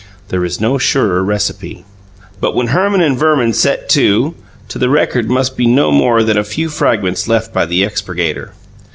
There is no surer recipe. But when Herman and Verman set to 't the record must be no more than a few fragments left by the expurgator.